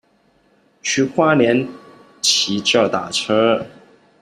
去花蓮騎腳踏車